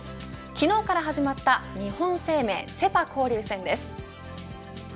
昨日から始まった日本生命セ・パ交流戦です。